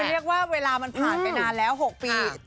เรียกว่าเวลามันผ่านไปนานแล้ว๖ปี